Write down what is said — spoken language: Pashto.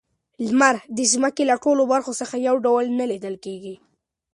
لمر د ځمکې له ټولو برخو څخه یو ډول نه لیدل کیږي.